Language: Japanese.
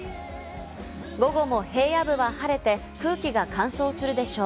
午後も平野部は晴れて空気が乾燥するでしょう。